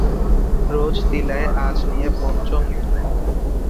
রোজ তিলায় আজ নিয়ে পঞ্চম দিন!